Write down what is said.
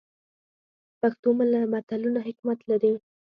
پښتو متلونه حکمت لري